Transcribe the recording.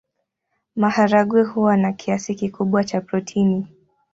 Maharagwe huwa na kiasi kikubwa cha protini.